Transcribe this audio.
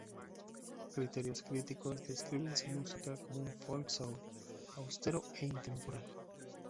Ciertos críticos describen su música como un folk-soul austero e intemporal.